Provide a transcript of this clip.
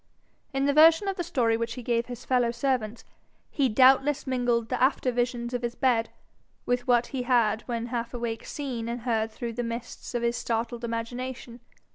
In the version of the story which he gave his fellow servants, he doubtless mingled the after visions of his bed with what he had when half awake seen and heard through the mists of his startled imagination.